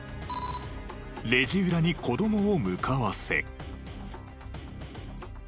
レジ裏に子供を向かわせ。